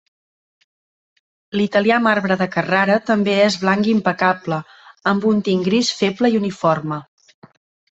L'italià marbre de Carrara també és blanc impecable, amb un tint gris feble i uniforme.